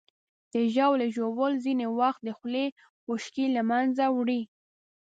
د ژاولې ژوول ځینې وخت د خولې خشکي له منځه وړي.